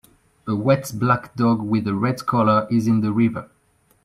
a wet black dog with a red collar is in the river